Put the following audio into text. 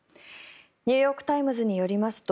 ニューヨーク・タイムズによりますと